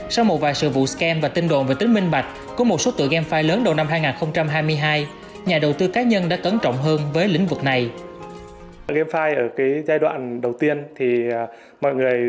sau một vài sự vụ scam và tin đồn về tính minh bạch của một số tựa gamefi lớn đầu năm hai nghìn hai mươi hai